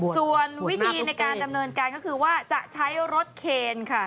ส่วนวิธีในการดำเนินการก็คือว่าจะใช้รถเคนค่ะ